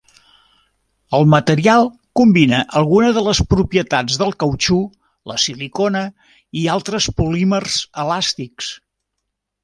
El material combina algunes de les propietats del cautxú, la silicona, i altres polímers elàstics.